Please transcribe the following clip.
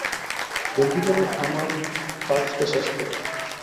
জলদি করে আমার কার্সটা শেষ করো!